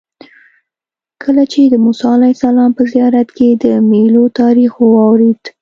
کله چې د موسی علیه السلام په زیارت کې د میلو تاریخ واورېد.